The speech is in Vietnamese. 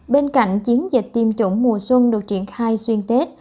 bên cạnh chiến dịch tiêm chủng mùa xuân được triển khai xuyên tết